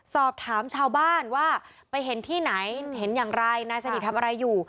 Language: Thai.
สอบถามชาวบ้านว่าไปเห็นที่ไหนเห็นอย่างไรนายสนิททำอะไรอยู่